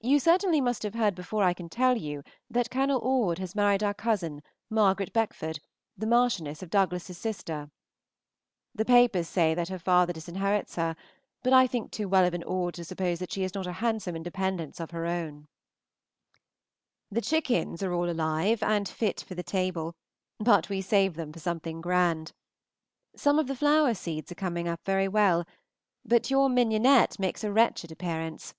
You certainly must have heard before I can tell you that Col. Orde has married our cousin Margt. Beckford, the Marchess. of Douglas's sister. The papers say that her father disinherits her, but I think too well of an Orde to suppose that she has not a handsome independence of her own. [Illustration: Chawton Cottage, from the Garden LETTERS, 172] The chickens are all alive and fit for the table, but we save them for something grand. Some of the flower seeds are coming up very well, but your mignonette makes a wretched appearance.